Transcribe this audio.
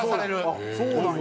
あっそうなんや。